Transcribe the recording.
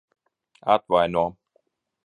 Atvaino?